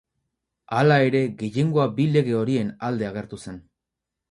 Hala ere, gehiengoa bi lege horien alde agertu zen.